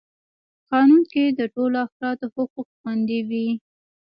قانون کي د ټولو افرادو حقوق خوندي وي.